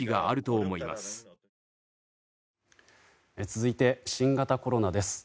続いて、新型コロナです。